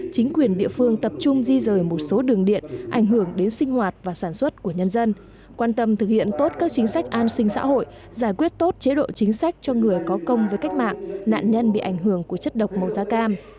chính quyền địa phương tập trung di rời một số đường điện ảnh hưởng đến sinh hoạt và sản xuất của nhân dân quan tâm thực hiện tốt các chính sách an sinh xã hội giải quyết tốt chế độ chính sách cho người có công với cách mạng nạn nhân bị ảnh hưởng của chất độc màu da cam